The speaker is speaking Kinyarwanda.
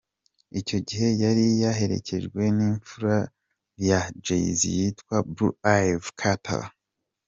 Icyo gihe yari yaherekejwe n’imfura ye na Jay Z yitwa Blue Ivy Carter.